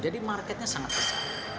jadi marketnya sangat besar